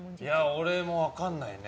俺も分からないね。